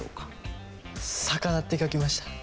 魚って書きました。